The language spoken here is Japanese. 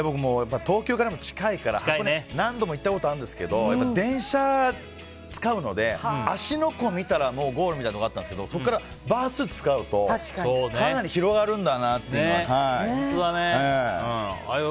東京からも近いから箱根は何度も何度も行ったことあるんですけど電車使うので芦ノ湖を見たらもうゴールみたいなところあったんですけどそこからバスを使うとかなり広がるんだなと。